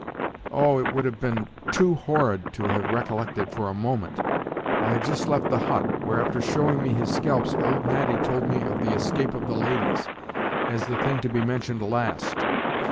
Oh! it would have been too horrid to have recollected for a moment! I have just left the hut, where, after showing me his scalps, old Natty told me of the escape of the ladies, as the thing to be mentioned last.